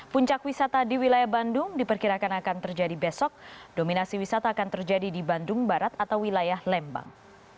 puncak wisata di wilayah bandung diperkirakan akan terjadi besok dominasi wisata akan terjadi di bandung barat atau wilayah lembang